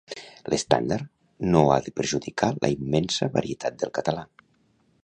L'estàndard no ha de perjudicar la immensa varietat del català.